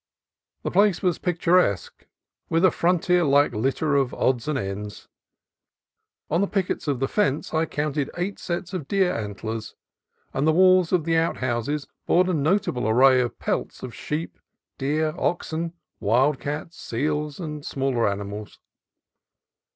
The place was picturesque with a frontier like litter of odds and ends. On the pickets of the fence I counted eight sets of deer antlers, and the walls of the outhouses bore a notable array of pelts of sheep, deer, oxen, wild cats, seals, and smaller animals.